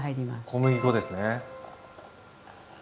小麦粉ですね。